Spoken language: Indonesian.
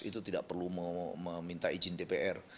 itu tidak perlu meminta izin dpr